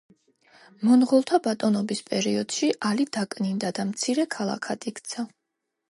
მონღოლთა ბატონობის პერიოდში ალი დაკნინდა და მცირე ქალაქად იქცა.